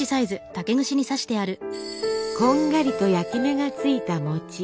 こんがりと焼き目がついた餅。